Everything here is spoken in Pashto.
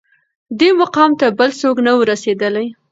دې مقام ته بل څوک نه وه رسېدلي